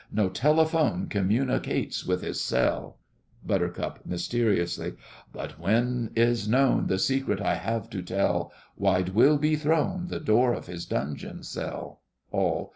No telephone Communicates with his cell! BUT. (mysteriously). But when is known The secret I have to tell, Wide will be thrown The door of his dungeon cell. ALL.